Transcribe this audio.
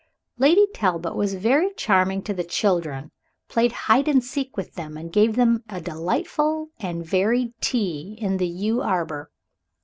Lady Talbot was very charming to the children, played hide and seek with them, and gave them a delightful and varied tea in the yew arbor.